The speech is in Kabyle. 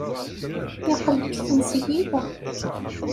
Yeqqel-d seg tmesgida.